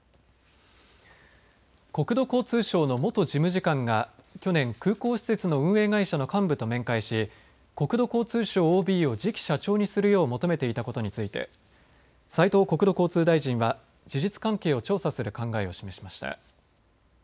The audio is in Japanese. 国土交通省の元事務次官が去年、空港施設の運営会社の幹部と面会し国土交通省ＯＢを次期社長にするよう求めていたことについて斉藤国土交通大臣は事実関係を調査する考えを示しました。